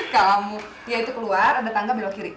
kalau dia itu keluar ada tangga belok kiri